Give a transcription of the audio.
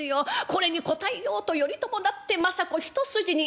これに応えようと頼朝だって政子一筋に生きた。